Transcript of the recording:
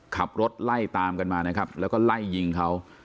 ขับรถไล่ตามกันมานะครับแล้วก็ไล่ยิงเขา